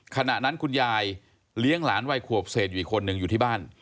ขณะนั้นคุณยายเลี้ยงหลานวัยขวบเศษอยู่อีกคนนึงอยู่ที่บ้าน